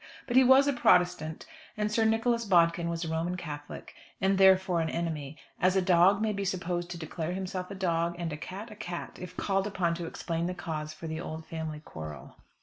But he was a Protestant, and Sir Nicholas Bodkin was a Roman Catholic, and therefore an enemy as a dog may be supposed to declare himself a dog, and a cat a cat, if called upon to explain the cause for the old family quarrel.